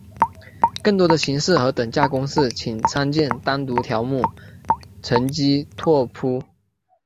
更多的形式和等价公式请参见单独条目乘积拓扑。